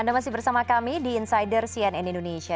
anda masih bersama kami di insider cnn indonesia